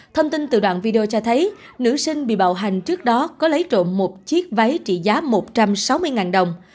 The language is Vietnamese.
thông tin từ đoạn video cho thấy nữ sinh bị bạo hành trước đó có lấy trộm một chiếc váy trị giá một trăm sáu mươi đồng